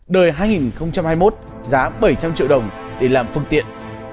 đời hai nghìn hai mươi một giá bảy trăm linh triệu đồng để làm phương tiện